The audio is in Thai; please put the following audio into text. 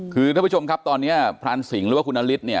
คือท่านผู้ชมครับตอนเนี่ยทางคราศสิงค์หรือว่าคุณนัลฤทธิ์เนี่ย